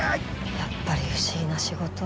やっぱり不思議な仕事。